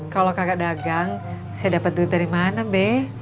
kalau kagak dagang saya dapat duit dari mana be